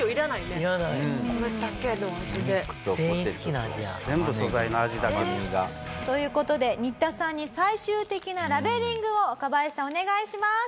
玉ねぎの甘みが。という事でニッタさんに最終的なラベリングを若林さんお願いします！